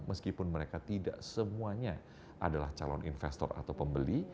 meskipun mereka tidak semuanya adalah calon investor atau pembeli